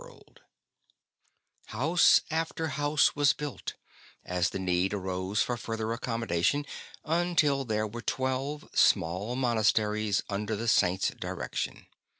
BENEDICT House after house was built, as the need arose for further accommodation, until there were twelve small monasteries under the Saint's direction.